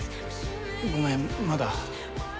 ごめんまだ。